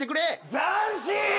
斬新！